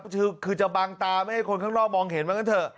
คุณผู้ชมคือจะบางตาไม่ให้คนข้างล่างมองเห็น